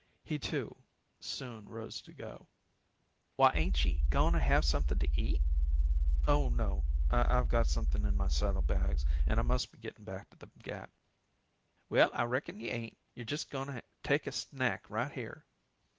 He, too, soon rose to go. "Why, ain't ye goin' to have something to eat?" "Oh, no, I've got something in my saddlebags and I must be getting back to the Gap." "Well, I reckon you ain't. You're jes' goin' to take a snack right here."